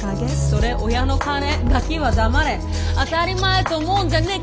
それ親の金ガキは黙れ当たり前と思うんじゃねぇ